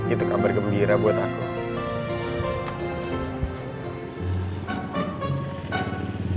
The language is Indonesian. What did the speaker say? itu kabar gembira buat aku